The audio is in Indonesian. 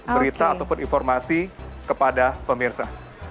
berita ataupun informasi kepada pemirsa